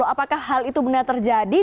apakah hal itu benar terjadi